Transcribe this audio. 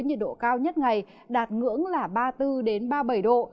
nhiệt độ cao nhất ngày đạt ngưỡng là ba mươi bốn ba mươi bảy độ